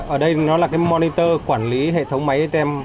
ở đây là monitor quản lý hệ thống máy atm